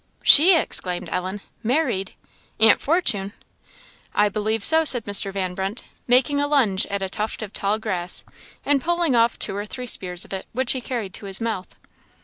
"She!" exclaimed Ellen. "Married! Aunt Fortune!" "I believe so," said Mr. Van Brunt, making a lunge at a tuft of tall grass, and pulling off two or three spears of it, which he carried to his mouth.